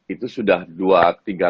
itu sudah dua keberuntungan